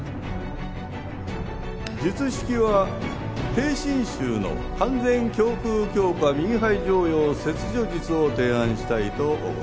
術式は低侵襲の完全胸腔鏡下右肺上葉切除術を提案したいと思います。